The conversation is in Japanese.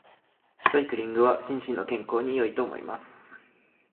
サイクリングは心身の健康に良いと思います。